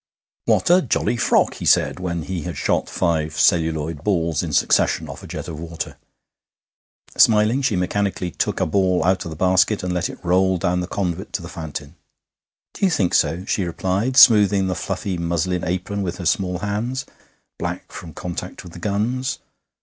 'What a jolly frock!' he said, when he had shot five celluloid balls in succession off a jet of water. Smiling, she mechanically took a ball out of the basket and let it roll down the conduit to the fountain. 'Do you think so?' she replied, smoothing the fluffy muslin apron with her small hands, black from contact with the guns.